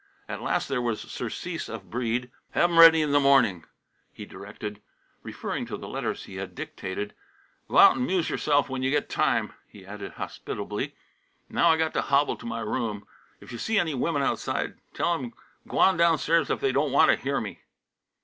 At last there was surcease of Breede. "Have 'em ready in the morning," he directed, referring to the letters he had dictated. "G'wout 'n' 'muse yourself when you get time," he added hospitably. "Now I got to hobble to my room. If you see any women outside, tell 'em g'wan downstairs if they don't want to hear me."